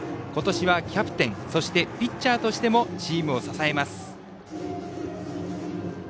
今年はキャプテンそしてピッチャーとしてもチームを支えます。